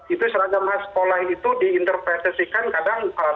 itu seragam khas sekolah itu diinterpretasikan kadang